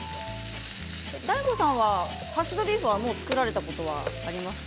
ＤＡＩＧＯさんはハッシュドビーフはもう作られたことありますか？